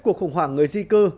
cuộc khủng hoảng người di cư